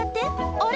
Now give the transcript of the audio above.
あれ？